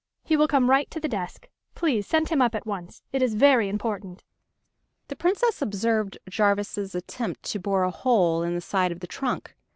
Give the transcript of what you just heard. He will come right to the desk ... please send him up at once ... It is very important." The Princess observed Jarvis' attempt to bore a hole in the side of the trunk.